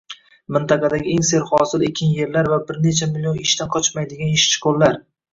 Mintaqadagi eng serhosil ekin yerlar va bir necha million ishdan qochmaydigan ishchi qo‘llar.